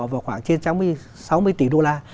vào khoảng trên sáu mươi tỷ đô la